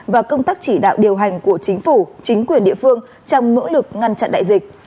và tạo điều hành của chính phủ chính quyền địa phương trong mũ lực ngăn chặn đại dịch